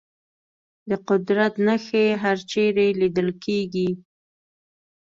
د قدرت نښې هرچېرې لیدل کېږي.